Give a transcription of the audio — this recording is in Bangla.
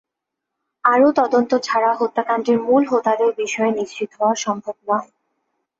আরও তদন্ত ছাড়া হত্যাকাণ্ডের মূল হোতাদের বিষয়ে নিশ্চিত হওয়া সম্ভব নয়।